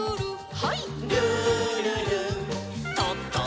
はい。